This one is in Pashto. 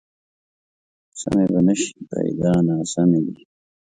سمې به نه شي، پیدا ناسمې دي